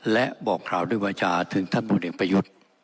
และบอกกล่าวด้วยวาจาถึงท่านพลเอกประยุทธ์